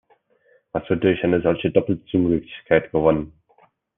Was wird durch eine solche Doppelzüngigkeit gewonnen?